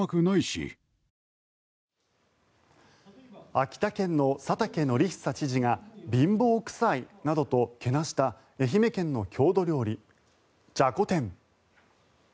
秋田県の佐竹敬久知事が貧乏臭いなどとけなした愛媛県の郷土料理、じゃこ天。